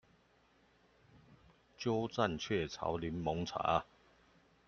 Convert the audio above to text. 鳩佔鵲巢檸檬茶